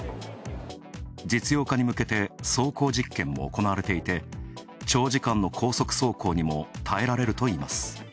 実用化に向けて走行実験もおこなわれていて、長時間の高速走行にも耐えられるといいます。